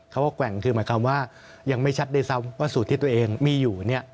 ว่าแกว่งคือหมายความว่ายังไม่ชัดด้วยซ้ำว่าสูตรที่ตัวเองมีอยู่เนี่ย